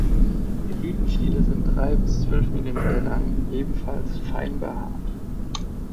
Die Blütenstiele sind drei bis zwölf Millimeter lang, ebenfalls fein behaart.